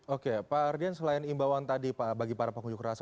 oke pak ardian selain imbauan tadi pak bagi para pengunjuk rasa